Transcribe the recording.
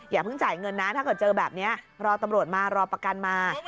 อย่าเพิ่งจ่ายเงินนะถ้าเกิดเจอแบบนี้รอตำรวจมารอประกันมา